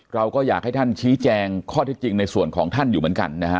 เราก็อยากให้ท่านชี้แจงข้อที่จริงในส่วนของท่านอยู่เหมือนกันนะฮะ